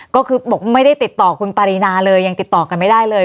ก็คือบอกไม่ได้ติดต่อคุณปารีนาเลยยังติดต่อกันไม่ได้เลย